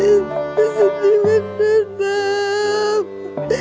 emak sedih dengan raff